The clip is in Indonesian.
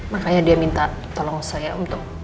makanya dia minta tolong saya untuk